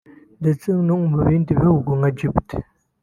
ndetse no mu bindi bihugu nka Djibouti